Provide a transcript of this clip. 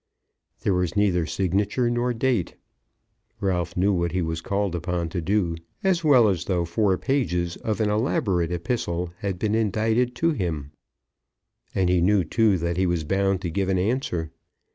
There was neither signature nor date. Ralph knew what he was called upon to do, as well as though four pages of an elaborate epistle had been indited to him. And he knew, too, that he was bound to give an answer.